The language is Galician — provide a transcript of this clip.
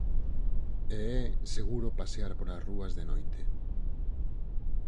E é seguro pasear polas rúas de noite.